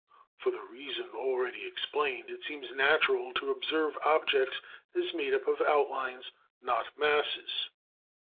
For the reason already explained it seems natural to observe objects as made up of outlines, not masses.